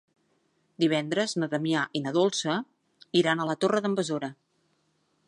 Divendres na Damià i na Dolça iran a la Torre d'en Besora.